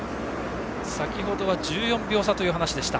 先程は１４秒差という話でした。